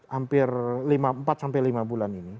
hampir lima empat sampai lima bulan ini